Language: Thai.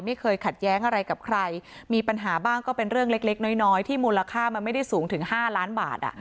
ไม่เคยขัดแย้งอะไรกับใครมีปัญหาบ้างก็เป็นเรื่องเล็กน้อยที่มูลค่ามันไม่ได้สูงถึง๕ล้านบาท